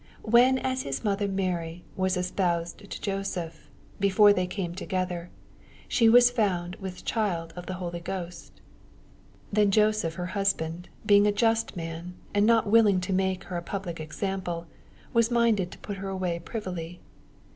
When as his mother Mary was espoused to Joseph, before they oame together, she was found with child of ttie Holy Ghost. 19 Then Joseph her husband, being a just man, and not willing to make her a public example, was minded to put her away privily.